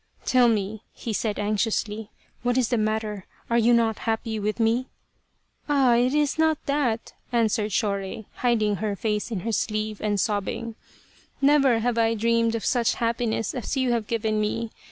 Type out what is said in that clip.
" Tell me," he said anxiously, " What is the matter ? Are you not happy with me ?"" Ah, it is not that," answered Shorei, hiding her face in her sleeve and sobbing ;" never have I dreamed of such happiness as you have given me.